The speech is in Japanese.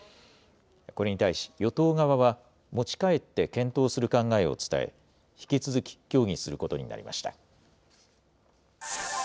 これに対し、与党側は持ち帰って検討する考えを伝え、引き続き協議することになりました。